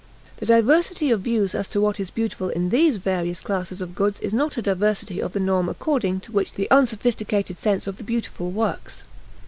This diversity of views as to what is beautiful in these various classes of goods is not a diversity of the norm according to which the unsophisticated sense of the beautiful works.